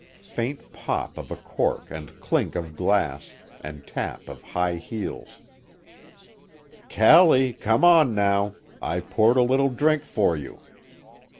Faint pop of a cork and clink of glass, and tap of high heels: "Callie, come on now! I poured a little drink for you."